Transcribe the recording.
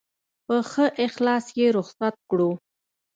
په ښه اخلاص یې رخصت کړو.